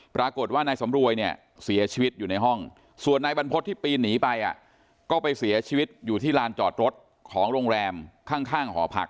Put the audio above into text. ปรากฏว่านายสำรวยเนี่ยเสียชีวิตอยู่ในห้องส่วนนายบรรพฤษที่ปีนหนีไปก็ไปเสียชีวิตอยู่ที่ลานจอดรถของโรงแรมข้างหอพัก